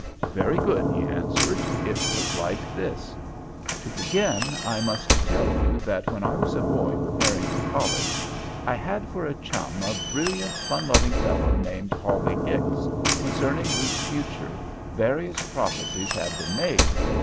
"Very good," he answered. "It was like this. To begin, I must tell you that when I was a boy preparing for college I had for a chum a brilliant fun loving fellow named Hawley Hicks, concerning whose future various prophecies had been made.